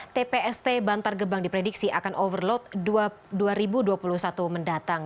tpst bantar gebang diprediksi akan overload dua ribu dua puluh satu mendatang